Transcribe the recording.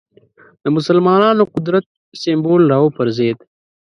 د مسلمانانو قدرت سېمبول راوپرځېد